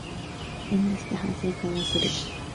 円座して反省会をする